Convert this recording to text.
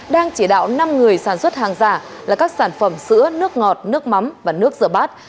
đang chỉ đạo năm người sản xuất hàng giả là các sản phẩm sữa nước ngọt nước mắm và nước rửa bát